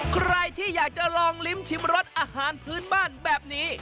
ใครที่อยากจะลองลิ้มชิมรสอาหารพื้นบ้านแบบนี้